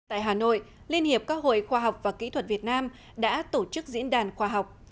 tại hà nội liên hiệp các hội khoa học và kỹ thuật việt nam đã tổ chức diễn đàn khoa học